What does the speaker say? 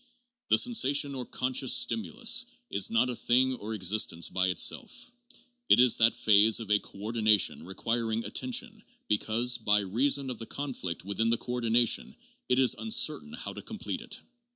The sensation or conscious stimulus is not a thing or exist ence by itself ; it is that phase of a coordination requiring atten tion because, by reason of the conflict within the coordination, it is uncertain how to complete it.